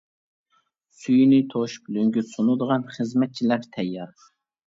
سۈيىنى توشۇپ لۆڭگە سۇنىدىغان خىزمەتچىلەر تەييار.